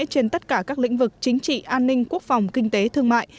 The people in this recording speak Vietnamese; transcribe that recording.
trên tất cả các lĩnh vực chính trị an ninh quốc phòng kinh tế thương mại